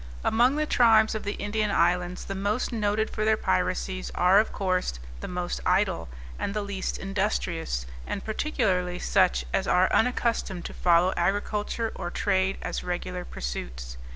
Among the tribes of the Indian Islands, the most noted for their piracies are, of course, the most idle, and the least industrious, and particularly such as are unaccustomed to follow agriculture or trade as regular pursuits.